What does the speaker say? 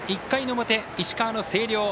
１回の表、石川の星稜。